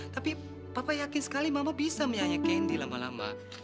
tapi papa yakin sekali mama bisa menyanyi kendi lama lama